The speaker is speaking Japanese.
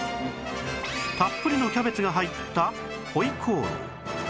たっぷりのキャベツが入った回鍋肉